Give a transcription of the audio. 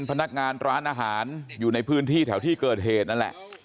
พนักงานร้านอาหารอยู่ในพื้นที่แถวที่เกิดเหตุนั่นแหละ